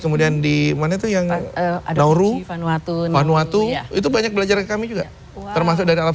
kemudian dimana tuh yang ada rufan waktu waktu itu banyak belajar kami juga termasuk dari alam